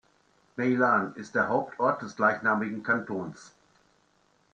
Meylan ist der Hauptort des gleichnamigen Kantons.